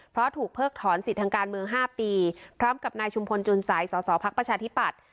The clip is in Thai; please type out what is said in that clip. เพราะถูกเพิกถอนสิทธิ์ทางการเมือง๕ปีพร้อมกับนายชุมพลจุนสัยสอสอพักประชาธิปัตย์